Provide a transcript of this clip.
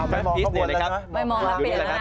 ไม่มองเข้าบนนะครับ